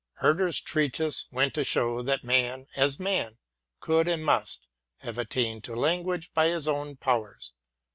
Herder's treatise went to show that man as man could and must have attained to lan guage by his own powers.